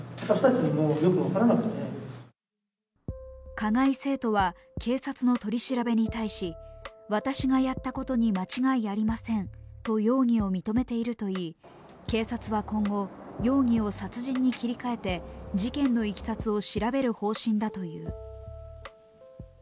加害生徒は警察の取り調べに対し、私がやったことに間違いありませんと容疑を認めているといい警察は今後、容疑を殺人に切り替えて事件のいきさつを調べる方針だという。